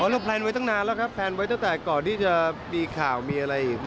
เราแพลนไว้ตั้งนานแล้วครับแพลนไว้ตั้งแต่ก่อนที่จะมีข่าวมีอะไร